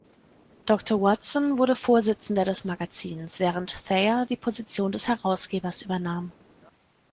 Doctor Watson wurde Vorsitzender des Magazins, während Thayer die Position des Herausgebers übernahm.